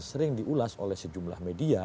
sering diulas oleh sejumlah media